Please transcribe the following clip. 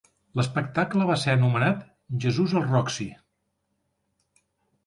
L'espectacle va ser anomenat "Jesús al Roxy".